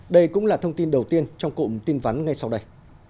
đây cũng là thông tin đầu tiên trong cụm tin vắn ngay sau đây